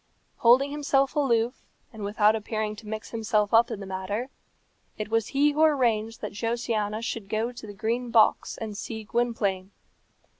Holding himself aloof, and without appearing to mix himself up in the matter, it was he who arranged that Josiana should go to the Green Box and see Gwynplaine.